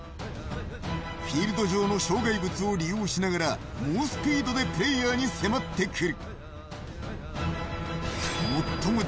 フィールド上の障害物を利用しながら猛スピードでプレイヤーに迫ってくる。